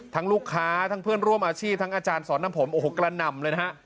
ทั้งลูกค้าทั้งเพื่อนร่วมอาชีพทั้งอาจารย์สอนทำผมกระนำเลยนะ